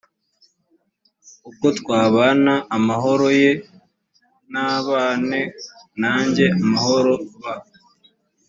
uko twabana amahoro yee nabane nanjye amahoro b